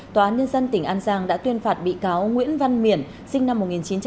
tòa án nhân dân tỉnh an giang đã tuyên phạt bị cáo nguyễn văn miển sinh năm một nghìn chín trăm tám mươi